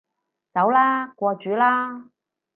走啦，過主啦